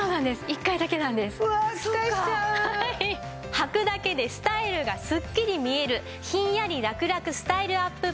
はくだけでスタイルがすっきり見えるひんやりらくらくスタイルアップパンツ。